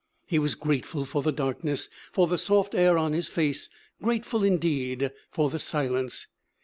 He was grateful for the darkness, for the soft air on his face, grateful indeed for the silence.